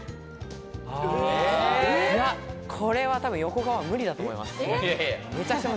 これは横顔は無理だと思います。